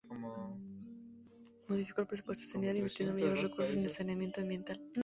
Modificó el presupuesto de sanidad invirtiendo mayores recursos en el saneamiento ambiental.